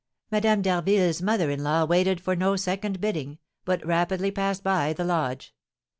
Madame d'Harville's mother in law waited for no second bidding, but rapidly passed by the lodge.